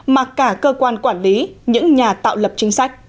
mà cả cơ quan quản lý những nhà tạo lập chính sách